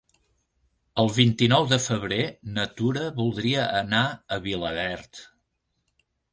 El vint-i-nou de febrer na Tura voldria anar a Vilaverd.